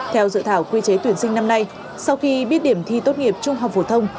theo dự thảo quy chế tuyển sinh năm nay sau khi biết điểm thi tốt nghiệp trung học phổ thông